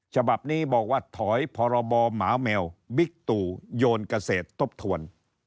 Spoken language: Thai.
ฉบับนี้บอกว่าถอยพรบหมาแมวบิ๊กตู่โยนเกษตรทบทวน